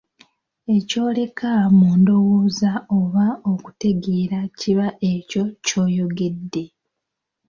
Eky'oleka mu ndowooza oba okutegeera kiba ekyo ky'oyogedde.